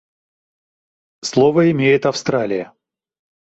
Слово имеет Австралия.